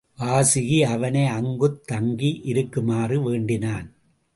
வாசுகி அவனை அங்குத் தங்கி இருக்குமாறு வேண்டினான்.